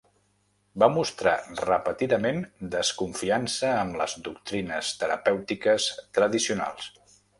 Va mostrar repetidament desconfiança amb les doctrines terapèutiques tradicionals.